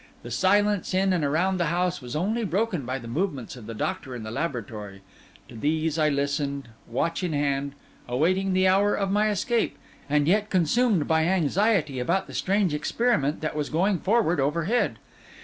The silence in and around the house was only broken by the movements of the doctor in the laboratory; to these I listened, watch in hand, awaiting the hour of my escape, and yet consumed by anxiety about the strange experiment that was going forward overhead.